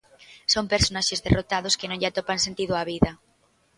Son personaxes derrotados que non lle atopan sentido á vida.